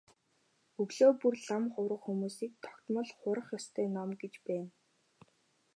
Өглөө бүр лам хувраг хүмүүсийн тогтмол хурах ёстой ном гэж байна.